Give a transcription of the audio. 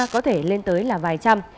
có thể lên tới là vài trăm